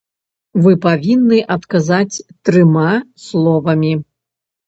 Вы павінны адказаць трыма словамі.